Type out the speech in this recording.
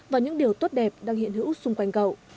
vào những điều tốt đẹp đang hiện hữu xung quanh cậu